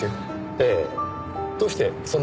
ええ。どうしてそんな嘘を？